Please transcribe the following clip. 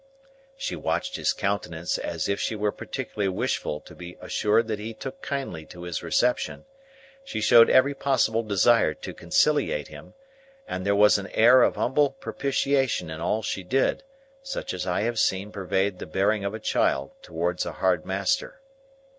She watched his countenance as if she were particularly wishful to be assured that he took kindly to his reception, she showed every possible desire to conciliate him, and there was an air of humble propitiation in all she did, such as I have seen pervade the bearing of a child towards a hard master.